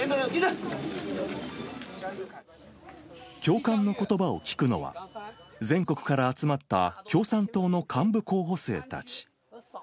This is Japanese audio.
教官のことばを聞くのは、全国から集まった共産党の幹部候補生たち。